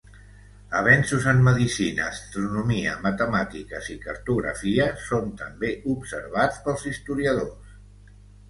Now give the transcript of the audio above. Avenços en medicina, astronomia, matemàtiques, i cartografia són també observats pels historiadors.